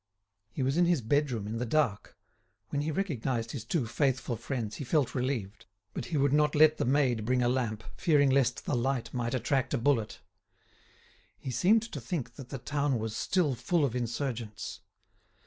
He was in his bedroom, in the dark. When he recognised his two faithful friends he felt relieved; but he would not let the maid bring a lamp, fearing lest the light might attract a bullet. He seemed to think that the town was still full of insurgents.